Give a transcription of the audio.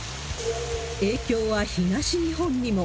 影響は東日本にも。